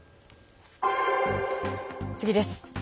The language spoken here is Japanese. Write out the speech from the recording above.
次です。